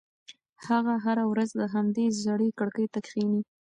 هغه هره ورځ همدې زړې کړکۍ ته کښېني.